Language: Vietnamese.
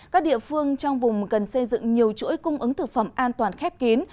các địa phương trong vùng cần xây dựng nhiều chuỗi cung ứng thực phẩm an toàn khép kín